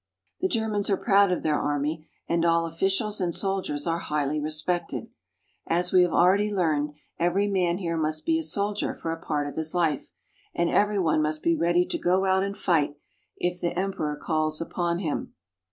The Germans are proud of their army, and all officials and soldiers are highly respected. As we have already learned, every man here must be a soldier for a part of his life, and every one must be ready to go out and fight if the emperor calls upon him.